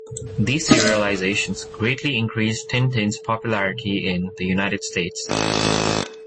These serializations greatly increased Tintin's popularity in the United States.